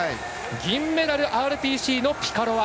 銀メダル、ＲＰＣのピカロワ。